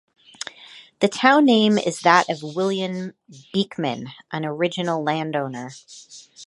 The town name is that of William Beekman, an original landowner.